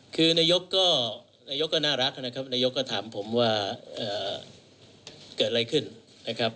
คือนายกก็นายกก็น่ารักนะครับนายกก็ถามผมว่าเกิดอะไรขึ้นนะครับ